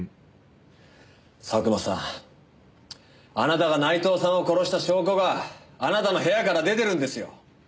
佐久間さんあなたが内藤さんを殺した証拠があなたの部屋から出てるんですよ。